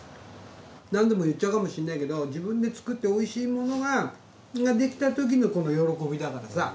何度も言っちゃうかもしんないけど自分で作っておいしいものができたときのこの喜びだからさ。